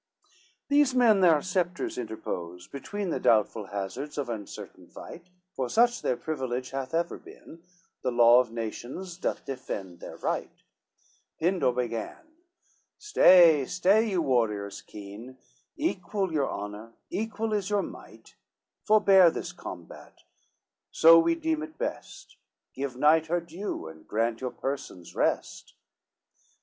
LI These men their sceptres interpose, between The doubtful hazards of uncertain fight; For such their privilege hath ever been, The law of nations doth defend their right; Pindore began, "Stay, stay, you warriors keen, Equal your honor, equal is your might; Forbear this combat, so we deem it best, Give night her due, and grant your persons rest.